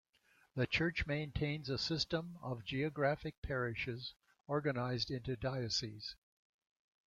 The church maintains a system of geographical parishes organised into dioceses.